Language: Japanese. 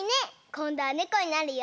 こんどはねこになるよ。